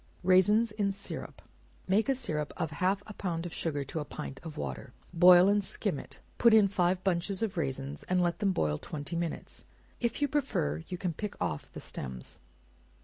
Raisins in Syrup. Make a syrup of half a pound of sugar to a pint of water, boil and skim it; put in five bunches of raisins, and let them boil twenty minutes; if you prefer, you can pick off the stems.